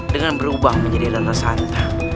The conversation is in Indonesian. dengan berubah menjadi rana santa